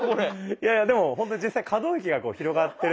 いやいやでもほんと実際可動域が広がってると思うんですよね。